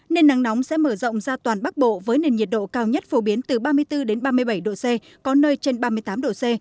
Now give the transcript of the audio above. nên nắng nóng sẽ mở rộng ra toàn bắc bộ với nền nhiệt độ cao nhất phổ biến từ ba mươi bốn ba mươi bảy độ c có nơi trên ba mươi tám độ c